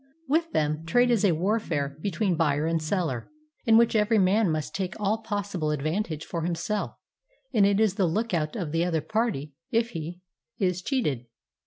With them, trade is a warfare between buyer and seller, in which every man must take all possible advantage for himself, and it is the lookout of the other party if he is cheated.